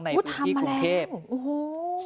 ในพื้นที่กรุงเทพทำมาแล้ว